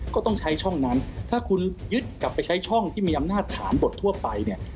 ก็ต้องใช้ช่องนั้นถ้าคุณยึดกลับไปใช้ช่องที่มีอำนาจฐานบททั่วไปเนี่ย